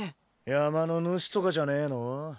山の主とかじゃねぇの？